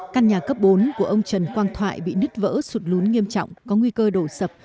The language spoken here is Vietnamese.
căn nhà cấp bốn của ông trần quang thoại bị nứt vỡ sụt lún nghiêm trọng có nguy cơ đổ sập